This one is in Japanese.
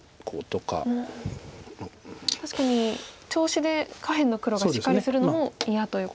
確かに調子で下辺の黒がしっかりするのも嫌ということですか。